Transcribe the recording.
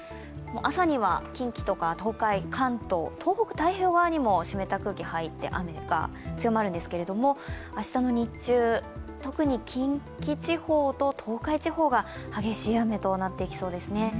朝には近畿、東海、関東東北・太平洋側にも湿った空気が入って雨が強まるんですけれども、明日の日中、特に近畿地方と東海地方が激しい雨となっていきそうですね。